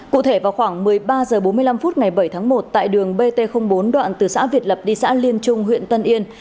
cụ thể vào khoảng một mươi ba h bốn mươi năm phút ngày bảy tháng một tại đường bt bốn đoạn từ xã việt lập đi xã liên trung huyện tân yên